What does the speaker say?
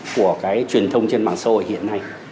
của cái truyền thông trên mạng xã hội hiện nay